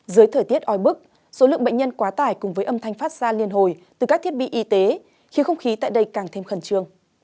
dưới thời tiết oi bức số lượng bệnh nhân quá tải cùng với âm thanh phát ra liên hồi từ các thiết bị y tế khiến không khí tại đây càng thêm khẩn trương